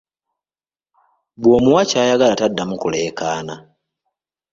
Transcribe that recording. "Bw’omuwa ky’ayagala, taddamu kulekaana."